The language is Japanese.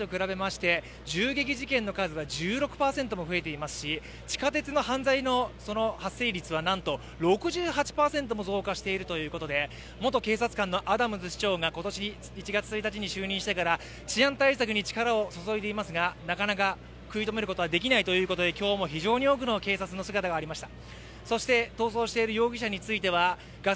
例えば同じ１年前と比べまして銃撃事件の数は１６％も増えていますし地下鉄の犯罪の発生率はなんと６８％も増加しているということで元警察官のアダムズ市長が今年１月に就任してから、就任してから治安対策に力を注いでいますがなかなか食い止めることが出来ないということで今日も非常に多くの警察の姿がありました。